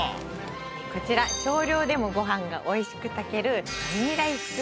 こちら少量でもご飯が美味しく炊ける。